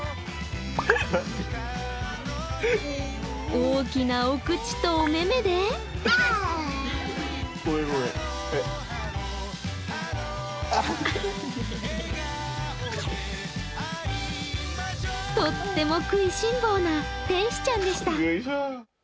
大きなお口とおめめでとっても食いしん坊な天使ちゃんでした。